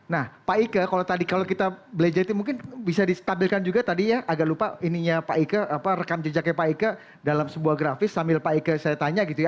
nah pak ike kalau tadi kalau kita belajar mungkin bisa ditampilkan juga tadi ya agak lupa ininya pak ike apa rekam jejaknya pak ika dalam sebuah grafis sambil pak ike saya tanya gitu ya